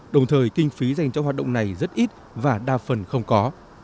đồng thời kinh phí dành cho hoạt động này rất ít và đa phần không có